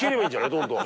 どんどん。